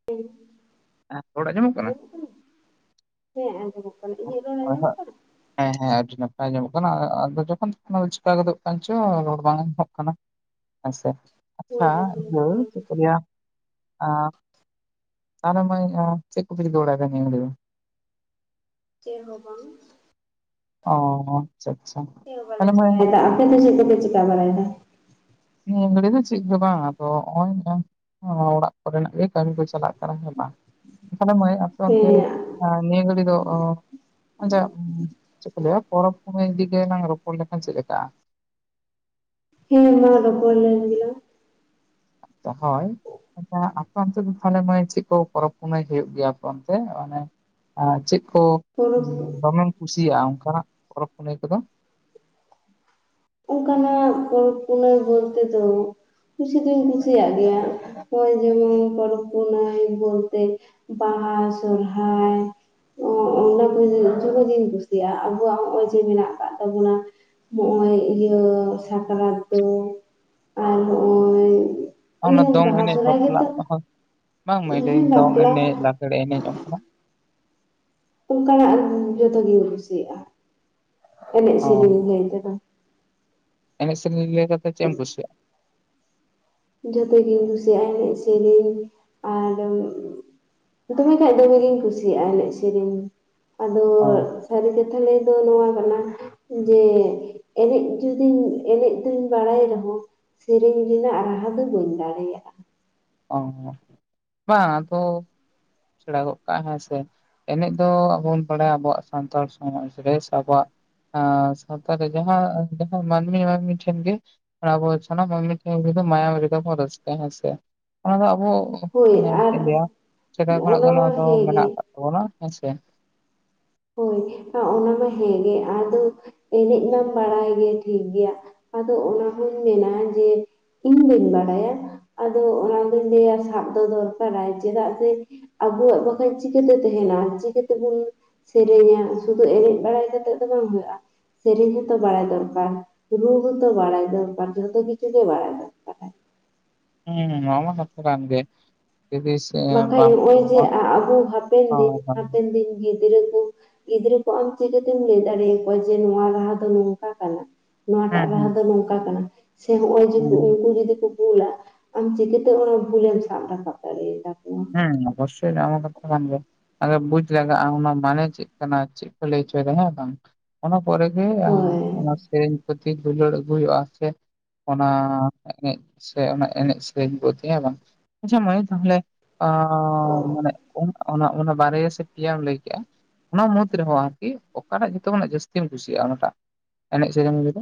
ᱦᱮᱸ ᱟᱸᱡᱚᱢᱚᱜ ᱠᱟᱱᱟ ᱦᱮᱸ ᱟᱸᱡᱚᱢᱚᱜ ᱠᱟᱱᱟ ᱤᱧᱟᱹᱜ ᱨᱚᱲ ᱟᱸᱡᱚᱢᱚᱜ ᱠᱟᱱᱟ? [unintelligible] ᱦᱮᱸ ᱦᱮᱸ ᱟᱹᱰᱤ ᱱᱟᱯᱟᱭ ᱧᱟᱢᱚᱜ ᱠᱟᱱᱟ ᱟᱫᱚ ᱡᱚᱠᱷᱚᱱ ᱡᱚᱠᱷᱚᱱ ᱪᱮᱠᱟ ᱜᱚᱫᱚᱜ ᱠᱟᱱ ᱪᱚ ᱨᱚᱲ ᱵᱟᱝ ᱟᱡᱚᱢᱚᱜ ᱠᱟᱱᱟ᱾ ᱦᱮᱥᱮ ᱦᱳᱭ ᱟᱪᱪᱷᱟ ᱡᱚᱠᱷᱚᱱ ᱤᱭᱟᱹ ᱛᱚᱠᱷᱚᱱ ᱪᱮᱫ ᱠᱚ ᱞᱮᱭᱟ᱾ ᱟ ᱛᱟᱦᱚᱞᱮ ᱢᱟᱹᱭ ᱪᱮᱫ ᱠᱚᱯᱮ ᱪᱤᱠᱟᱹ ᱵᱟᱲᱟᱭ ᱫᱟ ᱱᱤᱭᱟᱹ ᱜᱷᱟᱲᱤᱡ ᱫᱚ? ᱪᱮᱫ ᱦᱚᱸ ᱵᱟᱝ᱾ ᱚ ᱟᱪᱪᱷᱟ ᱟᱪᱪᱷᱟ ᱪᱮᱫ ᱦᱚᱸ ᱵᱟᱞᱮ ᱛᱟᱦᱚᱞᱮ ᱢᱟᱹᱭ ᱪᱤᱠᱟᱭᱮᱫᱟ ᱟᱯᱮ ᱫᱚ ᱪᱮᱫ ᱠᱚᱯᱮ ᱪᱤᱠᱟᱹ ᱵᱟᱲᱟᱭ ᱫᱟ? ᱱᱤᱭᱟᱹ ᱜᱷᱟᱹᱲᱤᱡ ᱫᱚ ᱪᱮᱫ ᱜᱮ ᱵᱟᱝ ᱟᱫᱚ ᱱᱚᱜᱼᱚᱭ ᱢᱮ ᱚᱲᱟᱜ ᱠᱚᱨᱮᱱᱟᱜ ᱜᱮ ᱠᱟᱹᱢᱤ ᱠᱚ ᱪᱟᱞᱟᱜ ᱠᱟᱱᱟ ᱦᱮ ᱵᱟᱝ ᱮᱱᱠᱷᱟᱱ ᱢᱟᱹᱭ ᱟᱯᱮ ᱚᱱᱛᱮᱼᱼ ᱦᱮᱸ ᱟᱨ ᱱᱤᱭᱟᱹ ᱜᱟᱲᱤᱡ ᱫᱚᱼᱼ ᱟᱪᱪᱷᱟ ᱪᱮᱫ ᱠᱚ ᱞᱟᱹᱭᱟ ᱯᱚᱨᱚᱵᱽ ᱯᱩᱱᱟᱹᱭ ᱤᱫᱤ‌ ᱠᱟᱛᱮ ᱞᱟᱝ ᱨᱚᱯᱚᱲ ᱞᱮᱠᱷᱟᱱ ᱪᱮᱫ ᱞᱮᱠᱟᱜᱼᱟ? ᱦᱮᱸ ᱢᱟ ᱨᱚᱯᱚᱲ ᱞᱮᱱ ᱜᱮᱞᱟᱝ᱾ ᱡᱟᱦᱟᱹᱭ ᱟᱪᱪᱷᱟ ᱟᱯᱮ ᱚᱱᱛᱮ ᱫᱚ ᱛᱟᱦᱞᱮ ᱢᱟᱹᱭ ᱪᱮᱫ ᱠᱚ ᱯᱚᱨᱚᱵᱽ ᱯᱩᱱᱟᱹᱭ ᱦᱩᱭᱩᱜ ᱜᱮᱭᱟ ᱟᱯᱮ ᱚᱱᱛᱮ ᱟᱱᱮᱼᱼ ᱟᱨ ᱪᱮᱫ ᱠᱚ ᱯᱚᱨᱚᱵᱽ ᱫᱚᱢᱮᱢ ᱠᱩᱥᱤᱭᱟᱜᱼᱟ ᱚᱱᱠᱟᱱᱟᱜ ᱯᱚᱨᱚᱵ ᱯᱩᱱᱟᱹᱭ ᱠᱚᱫᱚ? ᱚᱱᱠᱟᱱᱟᱜ ᱯᱚᱨᱚᱵᱽ ᱯᱩᱱᱟᱹᱭ ᱵᱚᱞᱛᱮ ᱫᱚ ᱠᱩᱥᱤ ᱫᱩᱧ ᱠᱩᱥᱤᱭᱟᱜ ᱜᱮᱭᱟ᱾ ᱦᱳᱭ ᱡᱮᱢᱚᱱ ᱯᱚᱨᱚᱵ ᱯᱩᱱᱟᱹᱭ ᱵᱚᱞᱛᱮ ᱵᱟᱦᱟ ᱥᱚᱨᱦᱟᱭ ᱚᱱᱟ ᱠᱚ ᱡᱚᱛᱚᱜᱤᱧ ᱠᱩᱥᱤᱭᱟᱜᱼᱟ ᱟᱵᱚᱣᱟᱜ ᱱᱚᱜᱼᱚᱭ ᱡᱮ ᱢᱮᱱᱟᱜ ᱟᱠᱟᱫ ᱛᱟᱵᱚᱱᱟ᱾ ᱱᱚᱜᱼᱚᱭ ᱤᱭᱟᱹ ᱥᱟᱠᱨᱟᱛ ᱫᱚ ᱟᱨ ᱱᱚᱜᱼᱚᱭ ᱚᱱᱟ ᱤᱱᱟᱹ ᱫᱚᱝ ᱵᱟᱦᱟ ᱮᱱᱮᱡ ᱥᱚᱨᱦᱟᱭ ᱵᱟᱯᱞᱟ ᱜᱮᱛᱚ ᱦᱚᱸ ᱵᱟᱝᱢᱟ ᱦᱮᱸ ᱞᱟᱹᱭᱟᱹᱧ ᱫᱚᱝ ᱵᱟᱯᱞᱟ ᱮᱱᱮᱡ ᱞᱟᱜᱽᱲᱮ ᱮᱱᱮᱡ ᱚᱱᱠᱟᱱᱟᱜᱼᱼ ᱚᱱᱠᱟᱱᱟᱜ ᱡᱚᱛᱚᱜᱤᱧ ᱠᱩᱥᱤᱭᱟᱜᱼᱟ ᱮᱱᱮᱡ ᱚ ᱥᱮᱨᱮᱧ ᱞᱟᱹᱭ ᱛᱮᱫᱚ, ᱮᱱᱮᱡ ᱥᱮᱨᱮᱧ ᱞᱮᱭ ᱞᱮᱠᱷᱟᱱ ᱫᱚ ᱪᱮᱫ ᱮᱢ ᱠᱩᱥᱤᱭᱟᱜᱼᱟ? ᱡᱚᱛᱚ ᱜᱤᱧ ᱠᱩᱥᱤᱭᱟᱜᱼᱟ ᱮᱱᱮᱡ ᱥᱮᱨᱮᱧ ᱟᱨ ᱫᱚᱢᱮ ᱠᱷᱟᱡ ᱫᱚᱢᱮ ᱜᱤᱧ ᱠᱩᱥᱤᱭᱟᱜᱼᱟ ᱮᱱᱮᱡ ᱥᱮᱨᱮᱧᱼᱼ ᱟᱫᱚ ᱚ ᱥᱟᱹᱨᱤ ᱠᱟᱛᱷᱟ ᱞᱟᱹᱭ ᱫᱚ ᱱᱚᱣᱟ ᱠᱟᱱᱟᱼᱼ ᱡᱮ ᱮᱱᱮᱡ ᱡᱩᱫᱤᱧ ᱮᱱᱮᱡ ᱫᱩᱧ ᱵᱟᱲᱟᱭ ᱨᱮᱦᱚᱸ ᱥᱮᱨᱮᱧ ᱨᱮᱱᱟᱜ ᱨᱟᱦᱟ ᱫᱚ ᱵᱟᱹᱧ ᱫᱟᱲᱮᱭᱟᱜᱼᱟ ᱚ ᱵᱟᱝ ᱟᱫᱚ ᱥᱮᱸᱲᱟ ᱜᱚᱜ ᱠᱟᱜᱼᱟ ᱦᱮᱸ ᱥᱮ ᱮᱱᱮᱡ ᱫᱚ ᱟᱵᱚ ᱵᱚᱱ ᱵᱟᱲᱟᱭᱟ ᱟᱵᱚᱣᱟᱜ ᱥᱟᱱᱛᱟᱲ ᱥᱚᱢᱟᱡᱽ ᱨᱮ ᱥᱮ ᱟᱵᱚᱣᱟᱜ ᱟᱸ ᱥᱟᱶᱛᱟ ᱨᱮ ᱡᱟᱦᱟᱸ ᱡᱟᱦᱟᱸ ᱢᱟᱹᱱᱢᱤ ᱢᱟᱹᱱᱢᱤ ᱴᱷᱮᱱ ᱜᱮ ᱟᱵᱚ ᱥᱟᱱᱟᱢ ᱢᱟᱹᱱᱢᱤ ᱴᱷᱮᱱ ᱢᱟᱭᱟᱢ ᱨᱮᱛᱟᱵᱚᱱ ᱨᱟᱹᱥᱠᱟᱹ ᱦᱮᱸ ᱥᱮ ᱚᱱᱟ ᱫᱚ ᱟᱵᱚ ᱦᱳᱭ ᱪᱮᱫ ᱟᱨ ᱤᱧ ᱞᱟᱹᱭᱟ ᱚᱱᱟ ᱢᱟ ᱦᱮᱸᱜᱮ ᱜᱚᱞᱟ ᱦᱮᱸ ᱥᱮ ᱦᱳᱭ ᱚᱱᱟ ᱢᱟ ᱦᱮᱸᱜᱮ ᱟᱫᱚ ᱮᱱᱮᱡ ᱢᱟᱢ ᱵᱟᱲᱟᱭ ᱜᱮ ᱴᱷᱤᱠ ᱜᱮᱭᱟ ᱟᱫᱚ ᱚᱱᱟᱦᱚᱧ ᱢᱮᱱᱟ ᱡᱮ ᱤᱧ ᱵᱟᱹᱧ ᱵᱟᱲᱟᱭᱟ ᱟᱫᱚ ᱚᱱᱟ ᱫᱚᱧ ᱞᱟᱹᱭᱟ ᱥᱟᱵ ᱫᱚ ᱫᱚᱨᱠᱟᱨᱟᱭ ᱪᱮᱫᱟᱜ ᱥᱮ ᱟᱵᱚᱣᱟᱜ ᱵᱟᱠᱷᱟᱱ ᱪᱤᱠᱟᱹᱛᱮ ᱛᱟᱦᱮᱱᱟ ᱪᱤᱠᱟᱹᱛᱮᱵᱚᱱ ᱥᱮᱨᱮᱧᱟ ᱥᱩᱫᱩ ᱮᱱᱮᱡ ᱵᱟᱲᱟᱭ ᱠᱟᱛᱮᱜ ᱫᱚ ᱵᱟᱝ ᱦᱩᱭᱩᱜᱼᱟ ᱥᱮᱨᱮᱧ ᱦᱚᱸᱛᱚ ᱵᱟᱲᱟᱭ ᱫᱚᱨᱠᱟᱨ ᱨᱩ ᱦᱚᱸᱛᱚ ᱵᱟᱲᱟᱭ ᱫᱚᱨᱠᱟᱨ ᱡᱚᱛᱚ ᱠᱤᱪᱷᱩ ᱜᱮ ᱵᱟᱲᱟᱭ ᱫᱚᱨᱠᱟᱨᱟᱭ ᱦᱩᱸ ᱱᱟᱣᱟ ᱢᱟ ᱠᱟᱛᱷᱟ ᱠᱟᱱ ᱜᱮ ᱛᱤᱨᱤᱥ ᱵᱟᱠᱷᱟᱡ ᱱᱚᱜᱼᱚᱭ ᱡᱮ ᱟᱵᱚ ᱦᱟᱯᱮᱱ ᱫᱤᱱ ᱦᱳᱭ ᱦᱟᱯᱮᱱ ᱫᱤᱱ ᱜᱤᱫᱽᱨᱟᱹ ᱠᱚ ᱜᱤᱫᱽᱨᱟᱹ ᱠᱚ ᱟᱢ ᱪᱤᱠᱟᱹᱛᱮᱢ ᱞᱟᱹᱭ ᱫᱟᱲᱮ ᱟᱠᱚᱣᱟ ᱡᱮ ᱱᱚᱣᱟ ᱨᱟᱦᱟ ᱫᱚ ᱱᱚᱝᱠᱟ ᱠᱟᱱᱟ ᱱᱚᱣᱟᱴᱟᱜ ᱦᱩᱸ ᱨᱟᱦᱟ ᱦᱩᱸ ᱫᱚ ᱱᱚᱝᱠᱟ ᱠᱟᱱᱟ ᱥᱮ ᱱᱚᱜᱼᱚᱭ ᱡᱮ ᱦᱩᱸ ᱩᱱᱠᱩ ᱡᱩᱫᱤ ᱠᱚ ᱨᱩᱭᱟ ᱟᱢ ᱪᱤᱠᱟᱹᱛᱮ ᱚᱱᱟ ᱵᱷᱩᱞᱮᱢ ᱥᱟᱵ ᱨᱟᱠᱟᱵ ᱫᱟᱲᱮᱭᱟᱛᱟ ᱠᱚᱣᱟ ᱦᱮᱸ ᱚᱵᱚᱥᱥᱚᱭ ᱱᱟᱣᱟ ᱢᱟ ᱠᱟᱛᱷᱟ ᱠᱟᱱ ᱜᱮ ᱟᱫᱚ ᱵᱩᱡ ᱞᱟᱜᱟᱜᱼᱟ ᱚᱱᱟ ᱢᱟᱱᱮ ᱪᱮᱫ ᱠᱟᱱᱟ ᱪᱮᱫ ᱠᱚ ᱞᱟᱹᱭ ᱦᱚᱪᱚᱭᱮᱫᱟ ᱦᱮᱸ ᱵᱟᱝ ᱚᱱᱟ ᱯᱚᱨᱮ ᱜᱮ ᱦᱳᱭ ᱚᱱᱟ ᱥᱮᱨᱮᱧ ᱯᱚᱛᱷᱤ ᱫᱩᱞᱟᱹᱲ ᱟᱹᱜᱩᱭ ᱦᱩᱭᱩᱜᱼᱟ ᱥᱮ ᱚᱱᱟ ᱮᱱᱮᱡ ᱥᱮ ᱚᱱᱟ ᱮᱱᱮᱡ ᱥᱮᱨᱮᱧ ᱯᱩᱛᱷᱤ ᱦᱮᱸ ᱵᱟᱝ ᱟᱪᱪᱷᱟ ᱢᱟᱹᱭ ᱛᱟᱦᱚᱞᱮ ᱟᱻ ᱢᱟᱱᱮ ᱚᱱᱟ ᱵᱟᱨᱭᱟ ᱥᱮ ᱯᱮᱭᱟᱢ ᱞᱟᱹᱭ ᱠᱮᱜᱼᱟ ᱚᱱᱟ ᱢᱩᱫᱽ ᱨᱮᱦᱚᱸ ᱟᱨᱠᱤ ᱚᱠᱟᱴᱟᱜ ᱡᱚᱛᱚ ᱠᱷᱚᱱᱟᱜ ᱡᱟᱹᱥᱛᱤᱢ ᱠᱩᱥᱤᱭᱟᱜᱼᱟ ᱚᱱᱟᱴᱟᱜ ᱮᱱᱮᱡ ᱥᱮᱨᱮᱧ ᱨᱮᱫᱚ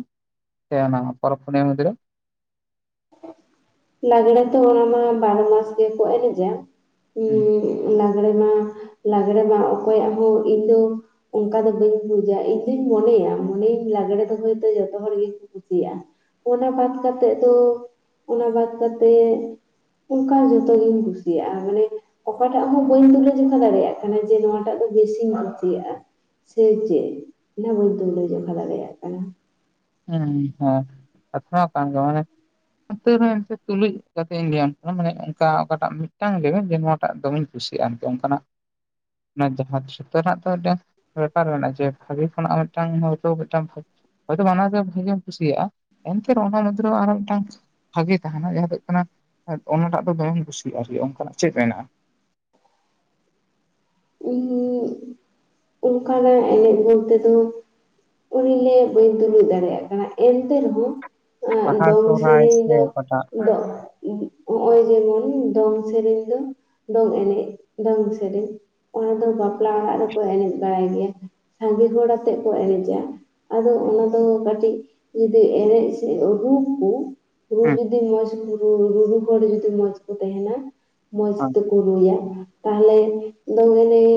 ᱥᱮ ᱚᱱᱟ ᱯᱚᱨᱚᱵ ᱯᱩᱱᱤᱭᱟᱹ ᱢᱚᱫᱫᱷᱮ ᱨᱮ ᱞᱟᱜᱽᱲᱮ ᱛᱚ ᱚᱱᱟ ᱢᱟ ᱵᱟᱨᱚ ᱢᱟᱥ ᱜᱮᱠᱚ ᱮᱱᱮᱡᱟ ᱦᱩᱸ ᱩᱸᱜ ᱞᱟᱜᱽᱲᱮ ᱢᱟ ᱞᱟᱜᱽᱲᱮ ᱢᱟ ᱚᱠᱚᱭᱟᱜ ᱦᱚᱸ ᱤᱧ ᱫᱚ ᱚᱱᱠᱟ ᱫᱚ ᱵᱟᱹᱧ ᱵᱩᱡᱟ ᱤᱧ ᱫᱩᱧ ᱢᱚᱱᱮᱭᱟ ᱢᱚᱱᱮᱭᱮᱧ ᱞᱟᱜᱽᱲᱮ ᱫᱚ ᱦᱚᱭᱛᱚ ᱡᱚᱛᱚ ᱦᱚᱲ ᱜᱮᱠᱚ ᱠᱩᱥᱤᱭᱟᱜᱼᱟ ᱚᱱᱟ ᱵᱟᱫ ᱠᱟᱛᱮᱜ ᱫᱚ ᱚᱱᱟ ᱵᱟᱫ ᱠᱟᱛᱮ ᱚᱱᱠᱟ ᱡᱚᱛᱚᱜᱤᱧ ᱠᱩᱥᱤᱭᱟᱜᱼᱟ ᱢᱟᱱᱮ ᱚᱠᱟᱴᱟᱜ ᱦᱚᱸ ᱵᱟᱹᱧ ᱛᱩᱞᱟᱹᱡᱚᱠᱷᱟ ᱫᱟᱲᱮᱭᱟᱜ ᱠᱟᱱᱟ ᱡᱮ ᱱᱚᱣᱟᱴᱟᱜ ᱫᱚ ᱵᱮᱥᱤᱧ ᱠᱩᱥᱤᱭᱟᱜᱼᱟ ᱥᱮ ᱪᱮᱫ ᱚᱱᱟ ᱵᱟᱹᱧ ᱛᱩᱞᱟᱹ ᱡᱚᱠᱷᱟ ᱫᱟᱲᱮᱭᱟᱜ ᱠᱟᱱᱟ ᱦᱮᱸ ᱦᱮᱸ ᱠᱟᱛᱷᱟ ᱦᱚᱸ ᱠᱟᱱ ᱜᱮᱭᱟ ᱢᱟᱱᱮ ᱛᱳ ᱨᱮᱦᱚᱸ ᱮᱱᱛᱮ ᱛᱩᱞᱩᱡ ᱠᱟᱛᱮ ᱤᱧ ᱞᱟᱹᱭᱟᱢ ᱠᱟᱱᱟ ᱢᱟᱱᱮ ᱚᱱᱠᱟ ᱚᱠᱟᱴᱟᱜ ᱢᱤᱫᱴᱟᱝ ᱞᱟᱹᱭ ᱡᱮ ᱱᱚᱣᱟᱴᱟᱜ ᱫᱚᱢᱮᱧ ᱠᱩᱥᱤᱭᱟᱜᱼᱟ ᱟᱨᱠᱤ ᱚᱱᱠᱟᱱᱟᱜ ᱚᱱᱟ ᱡᱟᱦᱟᱸ ᱡᱩᱛᱟᱹ ᱨᱮᱱᱟᱜ ᱫᱚ ᱢᱤᱫᱴᱟᱝ ᱵᱮᱯᱟᱨ ᱢᱮᱱᱟᱜᱼᱟ ᱡᱮ ᱵᱷᱟᱹᱜᱤ ᱠᱷᱚᱱᱟᱜ ᱢᱤᱫᱴᱟᱝ ᱦᱚᱭᱛᱳ ᱢᱤᱫᱴᱟᱝ ᱫᱚ ᱵᱟᱝ ᱚᱱᱟᱛᱮ ᱵᱷᱟᱜᱮᱢ ᱠᱩᱥᱤᱭᱟᱜᱼᱟ ᱮᱱᱛᱮᱨᱮᱦᱚᱸ ᱚᱱᱟ ᱢᱩᱫ ᱨᱮ ᱟᱨᱚ ᱢᱤᱫᱴᱟᱝ ᱵᱷᱟᱜᱮ ᱛᱟᱦᱮᱱᱟ ᱡᱟᱦᱟᱸ ᱫᱚ ᱦᱩᱭᱩᱜ ᱠᱟᱱᱟ ᱚᱱᱟᱴᱟᱜ ᱫᱚ ᱵᱟᱝ ᱫᱚᱢᱮᱢ ᱠᱩᱥᱤᱭᱟᱜᱼᱟ ᱟᱨᱠᱤ ᱚᱱᱠᱟᱱᱟᱜ ᱪᱮᱫ ᱢᱮᱱᱟᱜᱼᱟ ᱩᱸᱜᱻ ᱚᱱᱠᱟᱱᱟᱜ ᱮᱱᱮᱡ ᱵᱚᱞᱛᱮ ᱫᱚ ᱚᱱᱮᱧ ᱞᱟᱹᱭᱮᱫ ᱵᱟᱹᱧ ᱛᱩᱞᱩᱡ ᱫᱟᱲᱮᱭᱟᱜ ᱠᱟᱱᱟ ᱮᱱᱛᱮ ᱨᱮᱦᱚᱸ ᱮᱸᱜ ᱵᱟᱦᱟ ᱫᱚᱝ ᱥᱚᱦᱨᱟᱭ ᱥᱮᱨᱮᱧ ᱥᱮ ᱫᱚ ᱚᱠᱟᱴᱟᱜ ᱫᱚ ᱩᱸᱜ ᱱᱚᱜᱼᱚᱭ ᱡᱮᱢᱚᱱ ᱫᱚᱝ ᱥᱮᱨᱮᱧ ᱫᱚ ᱫᱚᱝ ᱮᱱᱮᱡ ᱫᱚᱝ ᱥᱮᱨᱮᱧ ᱚᱱᱟ ᱫᱚ ᱵᱟᱯᱞᱟ ᱚᱲᱟᱜ ᱨᱮᱠᱚ ᱮᱱᱮᱡ ᱵᱟᱲᱟᱭ ᱜᱮᱭᱟ ᱥᱟᱸᱜᱮ ᱦᱚᱲ ᱟᱛᱮᱜ ᱠᱚ ᱮᱱᱮᱡᱟ ᱟᱫᱚ ᱚᱱᱟᱫᱚ ᱠᱟᱹᱴᱤᱡ ᱡᱩᱫᱤ ᱮᱱᱮᱡ ᱥᱮ ᱨᱩ ᱠᱚ ᱨᱩ ᱦᱮᱸ ᱡᱩᱫᱤ ᱢᱚᱸᱡᱽ ᱨᱩ ᱨᱩᱨᱩᱦᱚᱲ ᱡᱩᱫᱤ ᱢᱚᱸᱡᱽ ᱠᱚ ᱛᱟᱦᱮᱱᱟ ᱢᱚᱸᱡᱽ ᱛᱮ ᱠᱚ ᱨᱩᱭᱟ ᱛᱟᱦᱚᱞᱮ ᱫᱚᱝ ᱮᱱᱮᱡ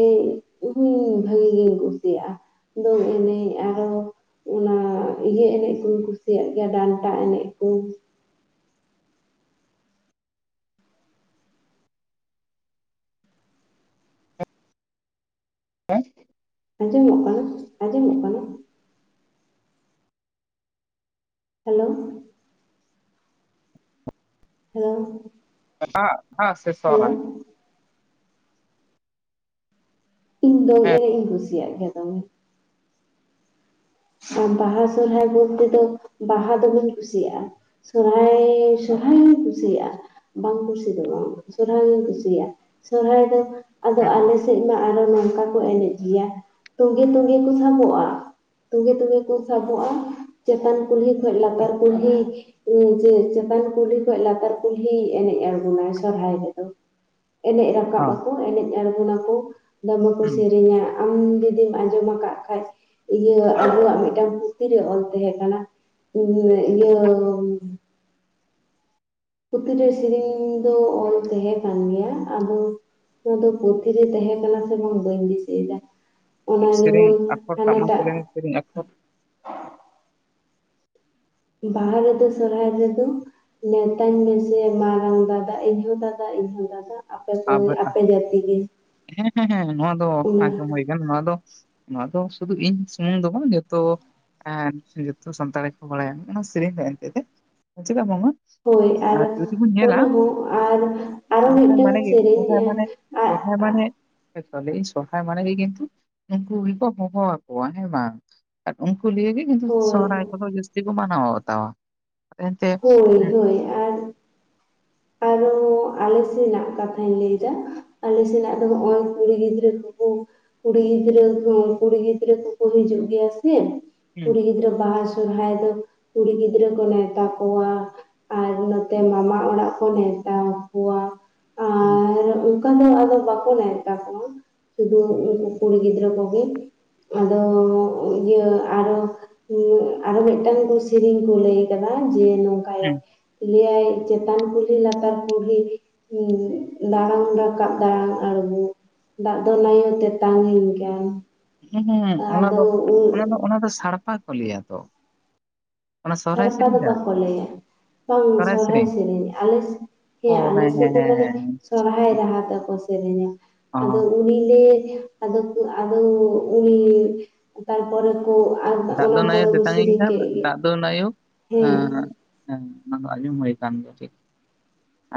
ᱦᱚᱸᱧ ᱵᱷᱟᱜᱤ ᱜᱤᱧ ᱠᱩᱥᱤᱭᱟᱜᱼᱟ ᱫᱚᱝ ᱮᱱᱮ ᱱᱮᱡ ᱟᱨᱚ ᱚᱱᱟ ᱤᱭᱟᱹ ᱮᱱᱮᱡ ᱠᱩᱧ ᱠᱩᱥᱤᱭᱟᱜ ᱜᱮᱭᱟ ᱰᱟᱱᱴᱟ ᱮᱱᱮᱡ ᱩᱸ ᱮᱸ ᱟᱸᱡᱚᱢᱚᱜ ᱠᱟᱱᱟ ᱟᱸᱡᱚᱢᱚᱜ ᱠᱟᱱᱟ? ᱦᱮᱞᱳ ᱦᱮᱞᱳ ᱮᱴᱟᱜ-ᱟᱜ ᱥᱮ ᱦᱮᱞᱳ ᱥᱚᱦᱨᱟᱭ? ᱤᱧ ᱫᱚᱝ ᱦᱮᱸ ᱮᱱᱮᱡ ᱤᱧ ᱠᱩᱥᱤᱭᱟᱜ ᱜᱮᱭᱟ ᱫᱚᱢᱮ ᱟᱨ ᱵᱟᱦᱟ ᱥᱚᱦᱨᱟᱭ ᱵᱚᱞᱛᱮ ᱫᱚ ᱵᱟᱦᱟ ᱫᱚᱢᱮᱧ ᱠᱩᱥᱤᱭᱟᱜᱼᱟ᱾ ᱥᱚᱨᱦᱟᱭ ᱥᱚᱨᱦᱟᱭ ᱦᱳᱧ ᱠᱩᱥᱤᱭᱟᱜᱼᱟ᱾ ᱵᱟᱝ ᱠᱩᱥᱤ ᱫᱚ ᱵᱟᱝ ᱥᱚᱨᱚᱦᱟᱭ ᱦᱩᱧ ᱠᱩᱥᱤᱭᱟᱜ-ᱟ ᱥᱚᱨᱦᱟᱭ ᱫᱚ ᱟᱫᱚ ᱦᱮᱸ ᱟᱞᱮ ᱥᱮᱫ ᱢᱟ ᱟᱨᱚ ᱱᱚᱝᱠᱟ ᱠᱚ ᱮᱱᱮᱡ ᱜᱮᱭᱟ ᱛᱚᱸᱜᱮ ᱛᱚᱸᱜᱮ ᱠᱚ ᱥᱟᱵᱚᱜᱼᱟ᱾ ᱛᱚᱸᱜᱮ ᱛᱚᱸᱜᱮ ᱠᱚ ᱥᱟᱵᱚᱜᱼᱟ ᱪᱮᱛᱟᱱ ᱠᱩᱞᱦᱤ ᱠᱷᱚᱡ ᱞᱟᱛᱟᱨ ᱠᱩᱞᱦᱤ ᱩᱸ ᱡᱮ ᱪᱮᱛᱟᱱ ᱠᱩᱞᱦᱤ ᱠᱷᱚᱡ ᱞᱟᱛᱟᱨ ᱠᱩᱞᱦᱤ ᱮᱱᱮᱡ ᱟᱬᱜᱚᱱᱟᱭ ᱥᱚᱨᱦᱟᱭ ᱨᱮᱫᱚ᱾ ᱮᱱᱮᱡ ᱨᱟᱠᱟᱵ ᱦᱚᱸ ᱟᱠᱚ ᱮᱱᱮᱡ ᱟᱲᱜᱳᱱᱟᱠᱚ ᱫᱚᱢᱮ ᱠᱚ ᱦᱩᱸ ᱥᱮᱨᱮᱧᱟ᱾ ᱟᱢ ᱡᱩᱫᱤᱢ ᱟᱸᱡᱚᱢ ᱟᱠᱟᱫ ᱠᱷᱟᱡ? ᱤᱭᱟᱹ ᱟᱵᱚᱣᱟᱜ ᱢᱤᱫᱴᱟᱝ ᱯᱩᱛᱷᱤ ᱨᱮ ᱚᱞ ᱛᱟᱦᱮᱸ ᱠᱟᱱᱟ ᱤᱭᱟᱹ ᱤᱭᱟᱹ ᱯᱩᱛᱷᱤ ᱨᱮ ᱥᱮᱨᱮᱧ ᱫᱚ ᱚᱞ ᱛᱟᱸᱦᱮ ᱠᱟᱱ ᱜᱮᱭᱟ ᱟᱫᱚ ᱱᱚᱣᱟ ᱫᱚ ᱯᱩᱛᱷᱤ ᱨᱮ ᱛᱟᱦᱮᱸ ᱠᱟᱱᱟ ᱥᱮ ᱵᱟᱝ ᱵᱟᱹᱧ ᱫᱤᱥᱟᱹᱭ ᱫᱟ᱾ ᱚᱱᱟ ᱥᱮᱨᱮᱧ ᱡᱮᱢᱚᱱ ᱟᱠᱷᱚᱨ ᱴᱟᱜ ᱢᱟᱥᱮ ᱦᱟᱱᱟᱴᱟᱜ ᱞᱟᱹᱭ ᱢᱮ ᱥᱮᱨᱮᱧ ᱟᱠᱷᱚᱨ ᱵᱟᱦᱟ ᱨᱮᱫᱚ ᱥᱚᱨᱚᱦᱟᱭ ᱨᱮᱫᱚ ᱱᱮᱣᱛᱟᱧ ᱢᱮᱥᱮ ᱢᱟᱨᱟᱝ ᱫᱟᱫᱟ ᱤᱧᱦᱚᱸ ᱫᱟᱫᱟ ᱤᱧᱦᱚᱸ ᱫᱟᱫᱟ ᱟᱯᱮ ᱥᱳᱭ ᱟᱯᱮ ᱡᱟᱛᱤ ᱜᱮ᱾ ᱦᱮᱸ ᱦᱮᱸ ᱦᱮᱸ ᱱᱚᱣᱟ ᱫᱚ ᱚᱱᱟ ᱟᱡᱚᱢᱦᱳᱭ ᱠᱟᱱ ᱱᱚᱣᱟ ᱫᱚ ᱱᱚᱣᱟᱫᱚ ᱥᱩᱫᱷᱩ ᱤᱧ ᱥᱩᱢᱩᱝ ᱫᱚ ᱵᱟᱝ ᱡᱚᱛᱚ ᱦᱮᱸ ᱡᱚᱛᱚ ᱥᱟᱱᱛᱟᱲ ᱜᱮᱠᱚ ᱵᱟᱲᱟᱭᱟ ᱱᱚᱟ ᱥᱮᱨᱮᱧ ᱫᱚ ᱮᱱᱛᱮᱛᱮ ᱦᱮᱸ ᱪᱮᱫᱟᱜ ᱵᱟᱝᱢᱟ ᱟᱨ ᱡᱩᱫᱤ ᱵᱚᱱ ᱧᱮᱞ-ᱟ ᱚᱱᱟ ᱦᱚᱸ ᱟᱨ ᱟᱨᱚ ᱥᱚᱨᱦᱟᱭ ᱢᱤᱫᱴᱟᱝ ᱢᱟᱱᱮᱜᱮ ᱥᱮᱨᱮᱧ ᱥᱚᱨᱟᱭ ᱮᱸ, ᱢᱟᱱᱮ ᱟᱜ ᱥᱚᱨᱟᱭ ᱟᱜ ᱢᱟᱱᱮ ᱦᱚᱭᱛᱚ ᱞᱮᱭᱤᱧ ᱥᱚᱨᱦᱟᱭ ᱢᱟᱱᱮ ᱜᱮ ᱠᱤᱱᱛᱩ ᱩᱱᱠᱩ ᱜᱮᱠᱚ ᱦᱚᱦᱚᱣᱟ ᱠᱚᱣᱟ ᱦᱮᱸ ᱵᱟᱝ? ᱟᱨ ᱩᱱᱠᱩ ᱞᱤᱭᱮ ᱜᱮ ᱠᱤᱱᱛᱩ ᱦᱳᱭ ᱥᱚᱦᱨᱟᱭ ᱠᱚᱫᱚ ᱡᱟᱹᱥᱛᱤ ᱠᱚ ᱢᱟᱱᱟᱣ ᱵᱟᱛᱟᱣᱟ᱾ ᱮᱱᱛᱮ ᱦᱳᱭ ᱦᱳᱭ ᱟᱨ ᱟᱨ ᱦᱚ ᱟᱞᱮ ᱥᱮᱱᱟᱜ ᱠᱟᱛᱷᱟᱧ ᱞᱟᱹᱭ ᱫᱟ᱾ ᱟᱞᱮ ᱥᱮᱱᱟᱜ ᱫᱚ ᱱᱚᱜᱼᱚᱭ ᱠᱩᱲᱤ ᱜᱤᱫᱽᱨᱟᱹ ᱠᱚᱠᱚ ᱠᱩᱲᱤ ᱜᱤᱫᱽᱨᱟᱹ ᱠᱚ ᱠᱩᱲᱤ ᱜᱤᱫᱽᱨᱟᱹ ᱠᱚᱠᱚ ᱦᱤᱡᱩᱜ ᱜᱮᱭᱟ ᱥᱮ ᱦᱩᱸ ᱠᱩᱲᱤ ᱜᱤᱫᱽᱨᱟᱹ ᱵᱟᱥ ᱥᱚᱨᱦᱟᱭ ᱫᱚ ᱠᱩᱲᱤ ᱜᱤᱫᱽᱨᱟᱹ ᱠᱚ ᱱᱮᱣᱛᱟ ᱠᱚᱣᱟ ᱟᱨ ᱱᱚᱛᱮ ᱢᱟᱢᱟ ᱚᱲᱟᱜ ᱠᱚ ᱱᱮᱣᱛᱟ ᱠᱚᱣᱟ᱾ ᱟ ᱦᱩᱸ ᱟᱫᱚ ᱚᱱᱠᱟᱜ ᱟᱫᱚ ᱵᱟᱠᱚ ᱱᱤᱣᱛᱟ ᱠᱚᱣᱟ ᱥᱩᱫᱷᱩ ᱦᱩᱸ ᱩᱱᱠᱩ ᱠᱩᱲᱤ ᱜᱤᱫᱽᱨᱟᱹ ᱠᱚᱜᱮ ᱟᱫᱚ ᱤᱭᱟᱹ ᱟᱨᱚ ᱤᱭᱟ ᱟᱨ ᱢᱤᱫᱴᱟᱝ ᱥᱮᱨᱮᱧ ᱠᱚ ᱞᱟᱹᱭ ᱠᱟᱫᱟ ᱡᱮ ᱠᱟᱭᱟᱭ ᱞᱟᱭ ᱟᱭ ᱪᱮᱛᱟᱱ ᱠᱩᱞ ᱤ ᱞᱟᱛᱟᱨ ᱠᱩᱞᱦᱤ ᱫᱲᱟᱱ ᱨᱟᱠᱟᱵ ᱫᱲᱟᱱ ᱟᱲᱜᱳ ᱫᱟᱜ ᱫᱚ ᱱᱟᱭᱳ ᱛᱮᱛᱟᱝ ᱤᱧ ᱠᱟᱱ᱾ ᱦᱩᱸᱜ ᱚᱱᱟ ᱟᱫᱚ ᱫᱚ ᱩᱸ ᱚᱱᱟ ᱫᱚ ᱚᱱᱟ ᱫᱚ ᱥᱟᱲᱯᱟ ᱠᱚ ᱞᱟᱹᱭᱟ ᱛᱚ ᱚᱱᱟ ᱥᱚᱦᱨᱟᱭ ᱥᱟᱲᱯᱟ ᱫᱚ ᱥᱮᱨᱮᱧ ᱠᱟᱱᱟ ᱵᱟᱠᱚ ᱞᱟᱹᱤᱼᱟ ᱵᱟᱝ ᱥᱚᱨᱦᱟᱭ ᱥᱮᱨᱮᱧ ᱟᱞᱮᱥ ᱚ ᱦᱮᱸ ᱟᱞᱮ ᱥᱮᱫ ᱦᱮᱸ ᱫᱚ ᱦᱮᱸ ᱢᱟᱱᱮᱼᱼ ᱦᱮᱸ [unintelligible] ᱥᱚᱨᱦᱟᱭ ᱦᱮᱸ ᱨᱟᱦᱟ ᱛᱮᱠᱚ ᱥᱮᱨᱮᱧᱟ ᱟᱫᱚ ᱚ ᱩᱱᱤᱞᱮ ᱟᱫᱚ ᱠᱚ ᱟᱫᱚ ᱩᱱᱤ ᱛᱟᱨᱯᱚᱨᱮ ᱠᱚ ᱟᱨ ᱚᱱᱟ ᱯᱚᱨᱮ ᱠᱚ ᱥᱮᱨᱮᱧ ᱠᱮᱜ ᱜᱮ ᱟᱫᱚ ᱱᱟᱭᱩ ᱮ ᱦᱮᱸ ᱦᱮᱸ ᱚᱱᱟ ᱫᱚ ᱟᱸᱭᱩ ᱦᱳᱭ ᱠᱟᱱ ᱜᱮᱭᱟ [unintelligible]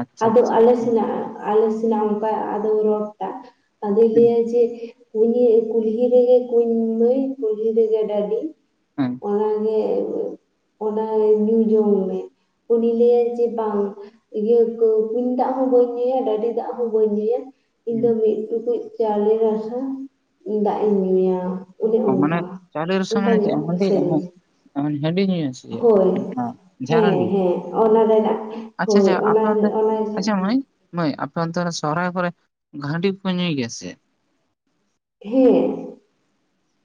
ᱟᱪᱪᱷᱟ ᱟᱫᱚ ᱟᱪᱪᱷᱟ ᱟᱞᱮ ᱥᱮᱱᱟᱜ ᱟᱞᱮ ᱥᱮᱱᱟᱜ ᱚᱱᱠᱟ ᱟᱫᱚ ᱨᱚᱲᱴᱟᱜ ᱟᱫᱚᱭ ᱦᱮᱸ ᱞᱟᱹᱭᱟ ᱡᱮᱼᱼ ᱩᱱᱜᱮ ᱠᱩᱞᱦᱤ ᱨᱮᱜᱮ ᱠᱩᱧ ᱢᱟᱹᱭ ᱠᱩᱞᱦᱤ ᱨᱮᱜᱮ ᱰᱟᱹᱰᱤ, ᱦᱮᱸ ᱚᱱᱟ ᱜᱮᱼᱼ ᱚᱱᱟ ᱧᱩ ᱡᱚᱝ ᱢᱮ ᱩᱱᱤ ᱞᱟᱹᱭᱟᱭ ᱡᱮ ᱵᱟᱝ ᱤᱭᱟᱹᱼᱼ ᱠᱚ ᱠᱩᱧ ᱫᱟᱜ ᱦᱚᱸ ᱵᱟᱹᱧ ᱧᱩᱭᱟ ᱰᱟᱹᱰᱤ ᱫᱟᱜ ᱦᱚᱸ ᱵᱟᱹᱧ ᱧᱩᱭᱟ ᱤᱧ ᱦᱮᱸ ᱫᱚ ᱢᱤᱫ ᱴᱩᱠᱩᱡᱼᱼ ᱪᱟᱣᱞᱮ ᱨᱟᱥᱟ ᱫᱟᱜ ᱮᱧ ᱧᱩᱭᱟ᱾ ᱚᱱᱮ ᱚ ᱢᱟᱱᱮ ᱚᱱᱠᱟ ᱪᱟᱣᱞᱮ ᱨᱟᱥᱟ ᱚᱱᱠᱟ ᱢᱟᱱᱮ ᱪᱮᱫ ᱧᱚᱜ ᱦᱟᱺᱰᱤ ᱦᱮᱸ, ᱥᱮᱨᱮᱧᱼᱼ ᱢᱟᱱᱮ ᱦᱟᱺᱰᱤ ᱧᱩᱭᱟ ᱥᱮ ᱪᱮᱫ ᱦᱳᱭ ᱚᱱᱟ ᱡᱷᱟᱨ ᱦᱟᱺᱰᱤ ᱦᱮᱸ ᱦᱮᱸ ᱚᱱᱟ ᱨᱮᱱᱟᱜ ᱮ ᱟᱪᱪᱷᱟ ᱦᱳᱭ ᱟᱪᱪᱷᱟ ᱚᱱᱟ ᱟᱯᱮ ᱨᱮ ᱚᱱᱛᱮ ᱚᱱᱟᱼᱼ ᱟᱪᱪᱷᱟ ᱢᱟᱹᱭ ᱢᱟᱹᱭ ᱟᱯᱮ ᱚᱱᱛᱮ ᱨᱮ ᱥᱚᱨᱟᱭ ᱠᱚᱨᱮ ᱦᱟᱰᱤ ᱠᱚ ᱧᱩᱭ ᱜᱮᱭᱟ ᱥᱮ? ᱦᱮᱸ᱾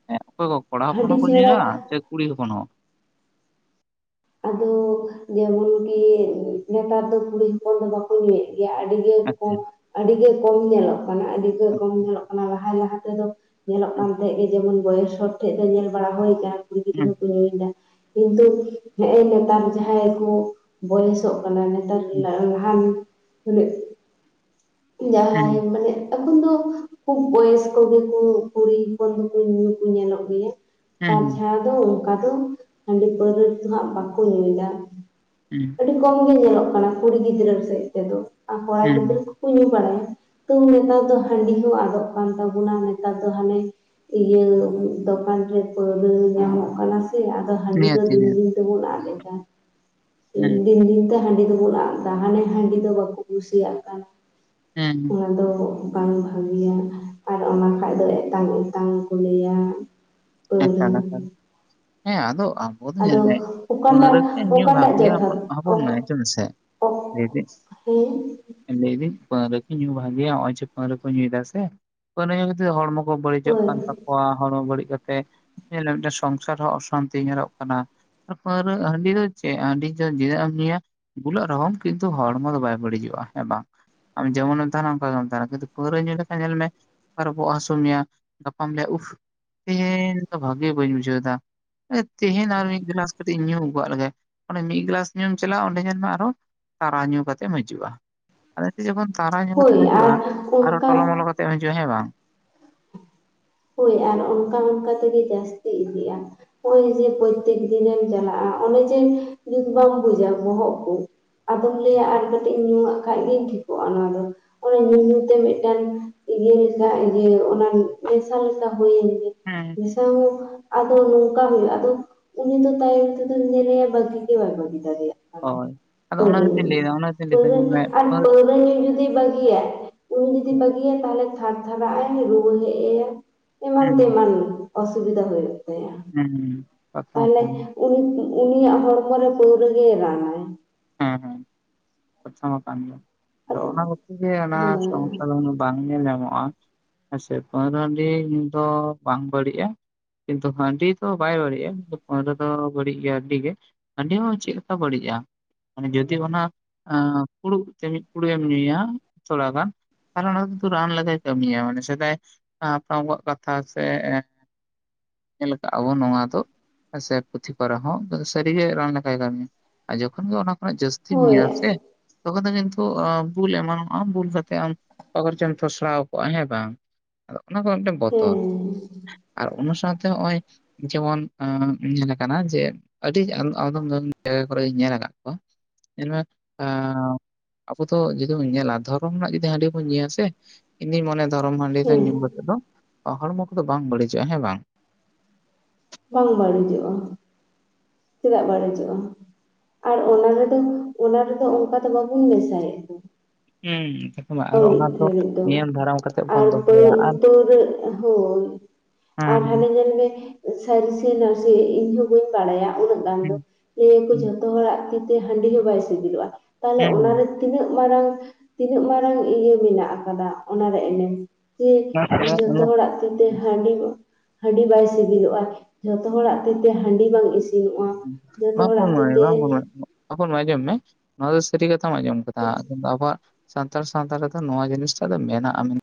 ᱦᱮᱸ ᱚᱠᱚᱭ ᱠᱚ ᱠᱚᱲᱟ ᱦᱚᱯᱚᱱ ᱦᱟᱺᱰᱤ ᱦᱚᱸᱠᱚ ᱧᱭᱟ ᱪᱷᱟᱲᱟ ᱥᱮ ᱠᱩᱲᱤ ᱦᱚᱯᱚᱱ ᱦᱚᱸ? ᱟᱫᱚ ᱡᱮᱢᱚᱱᱠᱤ ᱱᱮᱛᱟᱨ ᱫᱚ ᱠᱩᱲᱤ ᱦᱚᱯᱚᱱ ᱫᱚ ᱵᱟᱠᱚᱼᱼ ᱠᱚ ᱧᱩᱭᱮᱫ ᱜᱮᱭᱟ ᱟᱹᱰᱤ ᱜᱮ ᱠᱚᱢ ᱟᱪᱪᱷᱟ ᱟᱹᱰᱤ ᱜᱮ ᱠᱚᱢ ᱧᱮᱞᱚᱜ ᱠᱟᱱᱟ ᱟᱹᱰᱤ ᱜᱮ ᱦᱩᱸ ᱠᱚᱢ ᱧᱮᱞᱚᱜᱼᱼ ᱚᱱᱟ ᱞᱟᱦᱟᱭ ᱞᱟᱦᱟ ᱛᱮᱫᱚ ᱧᱮᱞᱚᱜ ᱠᱟᱱ ᱛᱟᱦᱮᱸᱜ ᱡᱮ ᱡᱮᱢᱚᱱ ᱵᱚᱭᱮᱥ ᱦᱚᱲ ᱴᱷᱮᱡ ᱫᱚ ᱧᱮᱞ ᱵᱟᱲᱟ ᱦᱳᱭ ᱠᱟᱱᱼᱼ ᱠᱩᱲᱤ ᱜᱤᱫᱽᱨᱟᱹ ᱦᱩᱸ ᱠᱚ ᱞᱟᱹᱭᱫᱟ ᱠᱤᱱᱛᱩ ᱮᱦᱮᱸᱼᱮ ᱱᱮᱛᱟᱨ ᱡᱟᱦᱟᱸᱭ ᱠᱚ ᱵᱚᱭᱮ ᱥᱚᱜᱼᱼ ᱠᱟᱱᱟ ᱱᱮᱛᱟᱨ ᱦᱩᱸ ᱞᱟᱦᱟᱱᱹᱜ ᱛᱟᱞᱮ ᱡᱟᱦᱟᱸᱟᱭ ᱦᱩᱸ ᱢᱟᱱᱮᱼᱼ ᱮᱠᱷᱚᱱ ᱫᱚ ᱠᱷᱩᱵ ᱵᱚᱭᱮᱥ ᱠᱚᱜᱮ ᱠᱚ ᱠᱩᱲᱤ ᱦᱚᱯᱚᱱ ᱫᱚᱠᱚ ᱧᱮᱞᱚᱜ ᱜᱮᱭᱟ᱾ ᱦᱩᱸ ᱛᱟᱪᱷᱟᱲᱟ ᱫᱚ ᱚᱱᱠᱟ ᱫᱚ ᱦᱟᱺᱰᱤ ᱯᱟᱹᱣᱨᱟᱹᱫᱚᱦᱟᱸᱜ ᱵᱟᱠᱚ ᱧᱩᱭᱫᱟ᱾ ᱦᱩᱸ ᱟᱹᱰᱤ ᱠᱚᱢ ᱜᱮ ᱧᱮᱞᱚᱜ ᱠᱟᱱᱟ ᱠᱩᱲᱤ ᱜᱤᱫᱽᱨᱟᱹ ᱥᱮᱫ ᱛᱮᱫᱚ ᱟᱨ ᱠᱚᱲᱟ ᱜᱤᱫᱽᱨᱟᱹᱼᱼ ᱦᱩᱸ ᱠᱚ ᱧᱩ ᱵᱟᱲᱟᱭᱟ ᱛᱚ ᱱᱮᱛᱟᱨ ᱫᱚ ᱦᱟᱺᱰᱤ ᱦᱚᱸ ᱟᱫᱚᱜ ᱠᱟᱱ ᱛᱟᱵᱚᱱᱟ ᱱᱮᱛᱟᱨ ᱫᱚ ᱦᱟᱱᱮᱼᱼ ᱤᱭᱟᱹ ᱫᱚᱠᱟᱱ ᱨᱮ ᱯᱟᱹᱣᱨᱟᱹ ᱧᱟᱢᱚᱜ ᱠᱟᱱᱟ ᱥᱮ ᱟᱨᱼᱼ ᱦᱟᱹᱰᱤᱸ ᱫᱚ ᱱᱤᱦᱟᱹᱛᱤ ᱫᱤᱱ ᱱᱤᱦᱟᱹᱛᱤ ᱫᱤᱱ ᱛᱮᱵᱚ ᱟᱫ ᱮᱫᱟ ᱦᱩᱸ ᱾ ᱫᱤᱱ ᱫᱤᱱ ᱦᱟᱹᱰᱤᱸ ᱫᱚᱵᱚᱱ ᱟᱫ ᱮᱫᱟ ᱦᱟᱱᱮ ᱦᱟᱹᱰᱤᱸ ᱫᱚ ᱵᱟᱠᱚ ᱠᱩᱥᱤᱭᱟᱜ ᱠᱟᱱᱟ ᱦᱮᱸ ᱚᱱᱟ ᱫᱚᱼᱼ ᱵᱟᱝ ᱵᱷᱟᱹᱜᱤᱭᱟ ᱟᱨ ᱚᱱᱟ ᱠᱷᱟᱱ ᱫᱚ ᱮᱛᱟᱝ ᱮᱛᱟᱝ ᱠᱚ ᱞᱟᱹᱭᱟ᱾ ᱯᱟᱹᱣᱨᱟᱹ [unintelligible] ᱟᱫᱚᱜᱼᱟ ᱟᱵᱚ ᱫᱚ ᱟᱫᱚ ᱧᱮᱞ ᱢᱮ ᱚᱠᱟᱴᱟᱜ ᱯᱟᱹᱨᱩᱭᱟ ᱠᱤ ᱧᱩ ᱚᱠᱟᱴᱟᱜ ᱵᱷᱟᱜᱮᱭᱟ ᱡᱚᱛᱷᱟᱛ ᱦᱚᱯᱚᱱ ᱦᱚᱯᱚᱱ ᱚᱠ ᱢᱟᱹᱭ ᱟᱡᱚᱢ ᱢᱮ ᱥᱮᱼᱼ ᱚᱠ ᱦᱮᱸ? ᱞᱟᱹᱭᱫᱟᱹᱧ ᱯᱟᱹᱣᱨᱟᱹ ᱠᱩ ᱧᱩ ᱵᱷᱟᱹᱜᱮᱭᱟ ᱱᱚᱜ ᱚᱭ ᱡᱮ ᱯᱟᱹᱣᱨᱟᱹ ᱠᱚ ᱧᱩᱭᱮᱫᱫᱟ ᱥᱮ ᱯᱟᱹᱣᱨᱟᱹ ᱧᱩᱛᱮᱫ ᱦᱚᱲᱢᱚᱼᱼ ᱠᱚ ᱵᱟᱹᱲᱤᱡᱚᱜ ᱦᱳᱭ ᱠᱟᱱ ᱛᱟᱠᱚᱣᱟ ᱦᱚᱲᱢᱚ ᱵᱟᱹᱲᱤᱡᱼᱼ ᱢᱤᱫᱴᱮᱱ ᱥᱚᱝᱥᱟᱨ ᱦᱚᱸ ᱚᱥᱟᱱᱛᱤ ᱧᱮᱞᱚᱜ ᱠᱟᱱᱟ᱾ ᱯᱟᱹᱣᱨᱟᱹ ᱦᱟᱹᱰᱤᱸ ᱫᱚ ᱪᱮᱫ ᱦᱟᱹᱰᱤᱸ ᱛᱤᱱᱟᱹᱜ ᱮᱢ ᱧᱩᱭᱟ᱾ ᱵᱩᱞᱟᱹᱜ ᱨᱮᱦᱚᱢ ᱠᱤᱱᱛᱩ ᱦᱚᱲᱢᱚ ᱫᱚ ᱵᱟᱭ ᱵᱟᱹᱲᱤᱡᱚᱜᱼᱟ ᱦᱮᱸ ᱵᱟᱝ? ᱟᱢ ᱡᱮᱢᱚᱱᱢ ᱛᱟᱦᱮᱱᱟ ᱚᱱᱠᱟ ᱜᱮᱢ ᱛᱟᱦᱮᱱᱟ ᱠᱤᱱᱛᱩ ᱯᱟᱹᱣᱨᱟᱹ ᱧᱩ ᱞᱮᱠᱷᱟᱱ ᱧᱮᱞ ᱢᱮᱼᱼ ᱟᱨ ᱵᱚᱜ ᱦᱟᱹᱥᱩ ᱢᱮᱭᱟ ᱜᱟᱯᱟᱢ ᱞᱮ ᱩᱯᱷᱼᱼ ᱛᱮᱦᱮᱧ ᱫᱚ ᱵᱷᱟᱜᱮ ᱵᱟᱹᱧ ᱵᱩᱡᱷᱟᱹᱣ ᱫᱟ᱾ ᱛᱮᱦᱮᱧ ᱟᱨ ᱢᱤᱫ ᱜᱞᱟᱥ ᱠᱟᱹᱴᱤᱡ ᱧᱩᱫ ᱟᱹᱜᱩᱭᱟᱜ ᱞᱮᱜᱮ ᱚᱱᱮ ᱢᱤᱫ ᱜᱞᱟᱥ ᱧᱩᱢ ᱪᱟᱞᱟᱜᱼᱟ ᱚᱸᱰᱮ ᱧᱮᱞ ᱢᱮ ᱟᱨᱚᱼᱼ ᱛᱟᱨᱟ ᱧᱩ ᱠᱟᱛᱮᱢ ᱦᱤᱡᱩᱜᱼᱟ ᱟᱫᱚ ᱢᱤᱫᱴᱤᱡ ᱡᱚᱠᱷᱚᱱ ᱛᱟᱨᱟ ᱧᱩ ᱠᱟᱛᱮᱢ ᱦᱳᱭ ᱦᱤᱡᱩᱜᱼᱟ ᱟᱨ ᱟᱨᱚ ᱚᱱᱠᱟ ᱴᱚᱞᱚᱢᱚᱞᱚ ᱠᱟᱛᱮᱜᱼᱼ ᱛᱮᱢ ᱦᱤᱡᱩᱜ-ᱟ ᱦᱮᱸ ᱵᱟᱝ, ᱦᱳᱭ ᱟᱨ ᱚᱱᱠᱟ ᱚᱱᱠᱟ ᱛᱮᱜᱮ ᱡᱟᱹᱥᱛᱤ ᱤᱫᱤᱜᱼᱟ᱾ ᱱᱚᱜ ᱚᱭ ᱡᱮ ᱯᱨᱚᱛᱮᱠ ᱫᱤᱱᱮᱢ ᱪᱟᱞᱟᱜᱼᱟ ᱚᱱᱮ ᱡᱮ ᱡᱩᱛ ᱵᱟᱢ ᱵᱩᱡᱟ ᱵᱚᱦᱚᱜ ᱠᱚ᱾ ᱟᱫᱚᱢ ᱞᱟᱹᱭᱟ ᱟᱨ ᱠᱟᱹᱴᱤᱡ ᱤᱧ ᱧᱩᱣᱟᱜ ᱠᱷᱟᱡ ᱜᱤᱧ ᱴᱷᱤᱠᱚᱜᱼᱟ ᱱᱚᱣᱟ ᱫᱚ᱾ ᱚᱱᱟ ᱧᱩ ᱧᱩ ᱛᱮ ᱢᱤᱫᱴᱟᱝ ᱤᱭᱟᱹ ᱞᱮᱠᱟ ᱤᱭᱟᱹ ᱚᱱᱟ ᱢᱮᱥᱟ ᱞᱮᱠᱟ ᱦᱩᱭᱮᱱ ᱜᱮ᱾ ᱦᱩᱸ ᱱᱮᱥᱟ ᱦᱚᱸ ᱟᱫᱚ ᱱᱚᱝᱠᱟ ᱦᱩᱭᱩᱜᱼᱟ ᱟᱫᱚᱼᱼ ᱩᱱᱤ ᱫᱚ ᱛᱟᱭᱚᱢ ᱛᱮ ᱫᱚᱢ ᱧᱮᱞᱮᱭᱟ ᱵᱟᱹᱜᱤ ᱜᱮ ᱵᱟᱭ ᱵᱟᱹᱜᱤ ᱫᱟᱲᱮᱭᱟᱜ᱾ ᱠᱟᱱᱟ ᱦᱳᱭ ᱟᱫᱚ ᱚᱱᱟ ᱯᱟᱹᱣᱨᱟᱹ ᱧᱩ ᱜᱮᱛᱚᱧ ᱞᱟᱹᱭᱫᱟ ᱚᱱᱟ ᱜᱮᱛᱚᱧ ᱞᱟᱹᱭᱫᱟ ᱯᱟᱹᱣᱨᱟᱹ ᱧᱮᱞ ᱧᱩ ᱢᱮ ᱟᱨ ᱯᱟᱹᱣᱨᱟᱹᱼᱼ ᱩᱱᱤ ᱯᱟᱹᱣᱨᱟᱹ ᱧᱩ ᱡᱩᱫᱤ ᱵᱟᱹᱜᱤᱭᱟᱭ ᱩᱱᱤ ᱡᱩᱫᱤ ᱵᱟᱹᱜᱤᱭᱟᱭ ᱛᱟᱦᱚᱞᱮ ᱛᱷᱟᱨ ᱛᱷᱟᱨᱟᱜᱼᱟᱭ ᱨᱩᱣᱟᱹ ᱦᱮᱡ ᱟᱭᱟᱼᱼ ᱮᱢᱟᱱ ᱦᱮᱸ ᱛᱮᱢᱟᱱ ᱚᱥᱩᱵᱤᱫᱷᱟ ᱦᱩᱭᱩᱜ ᱛᱟᱭᱟ ᱦᱮᱸ ᱠᱟᱛᱷᱟ ᱢᱟ ᱛᱟᱦᱚᱞᱮ᱾ ᱠᱟᱱ ᱜᱮᱭᱟ ᱩᱱᱤ ᱩᱱᱤᱭᱟᱜ ᱦᱚᱲᱢᱚ ᱨᱮ ᱯᱟᱹᱣᱨᱟᱹ ᱜᱮᱭ ᱨᱟᱱᱟᱭ᱾ ᱦᱩᱸ ᱦᱩᱸ ᱠᱟᱛᱷᱟᱢᱟ ᱠᱟᱱ ᱜᱮᱭᱟ ᱟᱫᱚ ᱚᱱᱟ ᱠᱷᱟᱹᱛᱤᱨ ᱜᱮ ᱚᱱᱟ ᱦᱳᱭ ᱥᱚᱢᱚᱥᱥᱟ᱾ ᱫᱚ ᱵᱟᱝ ᱧᱮᱞ ᱧᱟᱢᱚᱜᱼᱟ ᱦᱮᱸ ᱥᱮ ᱯᱟᱹᱣᱨᱟᱹ ᱦᱟᱹᱰᱤᱸ ᱧᱩ ᱫᱚ ᱵᱟᱝ ᱵᱟᱹᱲᱤᱡᱼᱟ᱾ ᱠᱤᱱᱛᱩ ᱦᱟᱹᱰᱤᱸ ᱫᱚ ᱵᱟᱭ ᱵᱟᱹᱲᱤᱡᱼᱟ ᱠᱤᱱᱛᱩ ᱯᱟᱹᱣᱨᱟᱹ ᱫᱚ ᱵᱟᱹᱲᱤᱡ ᱜᱮᱭᱟ ᱟᱹᱰᱤ ᱜᱮ᱾ ᱦᱟ. ᱰᱤ ᱦᱚᱸ ᱪᱮᱫ ᱞᱮᱠᱟ ᱵᱟᱹᱲᱤᱡᱼᱟ, ᱢᱟᱱᱮ ᱡᱩᱚᱫᱤ ᱚᱱᱟ ᱯᱷᱩᱲᱩᱜ ᱛᱮ ᱢᱤᱫ ᱯᱷᱩᱲᱩᱜ ᱮᱢ ᱧᱩᱭᱟ ᱛᱷᱚᱲᱟ ᱜᱟᱱᱼᱼ ᱟᱨ ᱚᱱᱟ ᱨᱟᱱ ᱞᱮᱠᱟᱭ ᱠᱟᱹᱢᱤᱭᱟ ᱢᱟᱱᱮ ᱥᱮᱫᱟᱭ ᱦᱟᱲᱟᱢ ᱠᱚᱣᱟᱜ ᱠᱟᱛᱷᱟ ᱥᱮᱼᱼ ᱧᱮᱞ ᱠᱟᱜ ᱟᱵᱚᱱ ᱱᱚᱣᱟ ᱫᱚ ᱥᱮ ᱯᱩᱛᱷᱤ ᱠᱚᱨᱮ ᱦᱚᱸ ᱥᱟᱹᱨᱤᱜᱮ ᱨᱟᱱ ᱞᱮᱠᱟᱭ ᱠᱟᱹᱢᱤᱭᱟ᱾ ᱟᱨ ᱡᱚᱠᱷᱚᱱ ᱜᱮ ᱚᱱᱟ ᱠᱷᱚᱱᱟᱜ ᱡᱟᱹᱥᱛᱤᱢ ᱦᱳᱭ ᱧᱩᱭᱟ ᱥᱮᱼᱼ ᱛᱚᱠᱷᱚᱱ ᱫᱚ ᱠᱤᱱᱛᱩ ᱵᱩᱞ ᱮᱢᱟᱱᱚᱜ ᱟᱢ ᱵᱩᱞ ᱠᱟᱛᱮᱜ ᱮᱢᱼᱼ ᱚᱠᱟ ᱠᱚᱨᱮᱪᱚᱢ ᱛᱷᱚᱥᱲᱟᱣ ᱠᱚᱜᱼᱟ ᱦᱮᱸ ᱵᱟᱝ ᱟᱫᱚ ᱚᱱᱟ ᱠᱚ ᱢᱤᱫᱴᱮᱱ ᱵᱚᱛᱚᱨ᱾ ᱦᱮᱸ ᱟᱨ ᱚᱱᱟ ᱥᱟᱶᱛᱮ ᱱᱚᱜᱼᱚᱭᱼᱼ ᱡᱮᱢᱚᱱ ᱧᱮᱞᱠᱟᱱᱟ ᱡᱮ ᱟᱹᱰᱤ ᱟᱫᱚᱢ ᱡᱟᱭᱜᱟᱼᱼ ᱠᱚᱨᱮᱜ ᱤᱧ ᱧᱮᱞ ᱟᱠᱟᱫ ᱠᱟᱜ ᱠᱚᱣᱟ ᱟᱵᱚ ᱫᱚ ᱡᱩᱫᱤ ᱵᱚᱱ ᱧᱮᱞᱟ ᱫᱷᱚᱨᱚᱢ ᱨᱮᱱᱟᱜ ᱡᱩᱫᱤ ᱦᱟᱹᱰᱤ ᱵᱚᱱ ᱧᱩᱭᱟ ᱥᱮ ᱤᱧ ᱫᱩᱧ ᱢᱚᱱᱮᱼᱼ ᱫᱷᱚᱨᱚᱢ ᱦᱟᱹᱰᱤ ᱫᱚ ᱦᱮᱸ ᱧᱩ ᱠᱟᱛᱮᱜ ᱫᱚ ᱦᱚᱲᱢᱚ ᱠᱚᱫᱚ ᱵᱟᱝ ᱵᱟᱹᱲᱤᱡᱚᱜᱼᱟ ᱦᱮᱸ ᱵᱟᱝ? ᱵᱟᱝ ᱵᱟᱹᱲᱤᱡᱚᱜᱼᱟ, ᱪᱮᱫᱟᱜ ᱵᱟᱹᱲᱤᱡᱚᱜᱼᱟ᱾ ᱟᱨ ᱚᱱᱟ ᱨᱮᱫᱚ ᱚᱱᱟ ᱨᱮᱫᱚ ᱚᱱᱠᱟ ᱫᱚ ᱵᱟᱵᱩᱱ ᱢᱮᱥᱟᱭᱮᱫ ᱫᱚ᱾ ᱦᱩᱸ ᱮᱠᱫᱚᱢ, ᱟᱨ ᱟᱹᱣᱲᱤᱡ ᱚᱱᱟ ᱫᱷᱟᱹᱨᱤᱡ ᱫᱚ ᱱᱤᱭᱚᱢ ᱫᱷᱟᱨᱟᱢ ᱠᱟᱛᱮᱜ ᱵᱚᱱ ᱟᱨ ᱫᱚᱦᱚᱭᱟ ᱟᱨ ᱴ [unintelligible] ᱦᱳᱭ ᱟᱨ ᱦᱮᱸ ᱦᱟᱱᱮ ᱧᱮᱞ ᱢᱮ, ᱥᱟᱹᱨᱤ ᱥᱮ ᱱᱟᱥᱮ ᱤᱧ ᱦᱚᱸ ᱵᱟᱹᱧ ᱵᱟᱲᱟᱭᱟ ᱩᱱᱟᱹᱜ ᱜᱟᱱ ᱦᱮᱸ ᱫᱚ ᱞᱮᱭᱟᱹ ᱠᱚ ᱡᱷᱚᱛᱚᱼᱼ ᱡᱷᱚᱛᱚ ᱦᱚᱲᱟᱜ ᱛᱤ ᱛᱮ ᱦᱟᱹᱰᱤ ᱦᱚᱸ ᱵᱟᱭ ᱥᱤᱵᱤᱞᱚᱜᱼᱟ ᱛᱟᱦᱚᱞᱮ ᱦᱩᱸ ᱚᱱᱟᱨᱮᱼᱼ ᱛᱤᱱᱟᱹᱜ ᱢᱟᱨᱟᱝ ᱛᱤᱱᱟᱹᱜ ᱢᱟᱨᱟᱝ ᱤᱭᱟᱹ ᱢᱮᱱᱟᱜ ᱟᱠᱟᱫᱟ ᱚᱱᱟᱨᱮ ᱮᱱᱮᱢ᱾ ᱦᱳᱭ ᱡᱚᱛᱚ ᱦᱩᱸ ᱦᱚᱲᱟᱜ ᱛᱤ ᱛᱮ ᱦᱟᱹᱰᱤ ᱦᱟᱹᱰᱤ ᱵᱟᱭ ᱥᱤᱵ ᱵᱤᱞᱚᱜ-ᱟ ᱡᱷᱚᱛᱚ ᱦᱚᱲᱟᱜ ᱛᱤ ᱛᱮ ᱦᱟᱹᱰᱤ ᱵᱟᱝ ᱤᱥᱤᱱᱼᱼ ᱵᱟᱝ [inaudible] ᱦᱚᱯᱚᱢ ᱢᱟᱹᱭ ᱟᱸᱡᱚᱢ ᱢᱮ ᱱᱚᱣᱟ ᱫᱚ ᱥᱟᱹᱨᱤ ᱠᱟᱛᱷᱟᱢ ᱟᱸᱡᱚᱢ ᱠᱟᱫᱟ ᱟᱫᱩ ᱟᱵᱚᱣᱟᱜ ᱥᱟᱱᱛᱟᱲ ᱥᱟᱶᱛᱟ ᱨᱮᱫᱚ ᱱᱚᱣᱟ ᱡᱤᱱᱤᱥᱴᱟᱜ ᱫᱚ ᱢᱮᱱᱟᱜ-ᱟ ᱢᱮᱱ